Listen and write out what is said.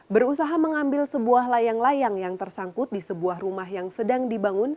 berusaha mengambil sebuah layang layang yang tersangkut di sebuah rumah yang sedang dibangun